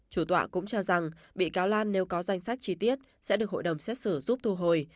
chủ tọa cũng cho rằng bị cáo lan nếu có danh sách chi tiết sẽ được hội đồng xét xử giúp thu hồi